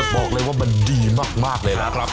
บอกเลยว่ามันดีมากเลยนะครับ